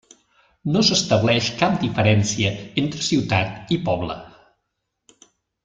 No s'estableix cap diferència entre ciutat i poble.